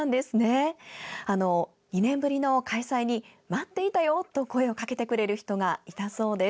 ２年ぶりの開催に待っていたよと声をかけてくれる人がいたそうです。